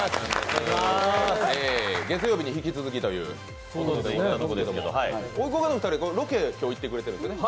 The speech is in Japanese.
月曜日に引き続きということですけど今日、ロケ、今日行ってくれてるんですね